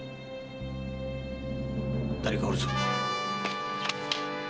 誰かおるぞ。